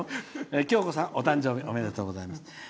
きょうこさん、お誕生日おめでとうございます。